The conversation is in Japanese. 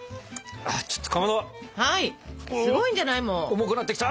重くなってきた！